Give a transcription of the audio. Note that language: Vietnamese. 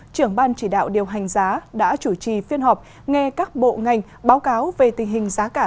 trưởng ban chỉ đạo điều hành giá đã chủ trì phiên họp nghe các bộ ngành báo cáo về tình hình giá cả